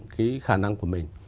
cái khả năng của mình